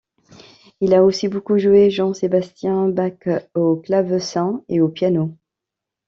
Il a aussi beaucoup joué Jean-Sébastien Bach au clavecin et au piano.